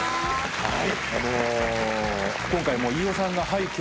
はい。